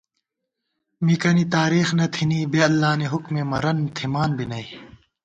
مِکَنی تارېخ نہ تھنی بے اللہ نی حُکُمےووئی مرَن تھِمان بی نئ